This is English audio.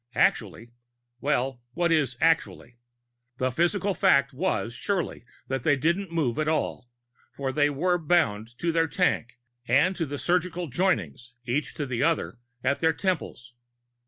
Actually well, what is "actually?" The physical fact was surely that they didn't move at all, for they were bound to their tank and to the surgical joinings, each to each, at their temples.